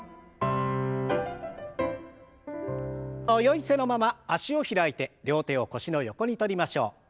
そのよい姿勢のまま脚を開いて両手を腰の横にとりましょう。